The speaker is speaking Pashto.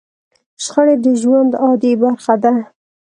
شخړې د ژوند عادي برخه ده.